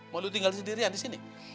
mau lu tinggal sendirian disini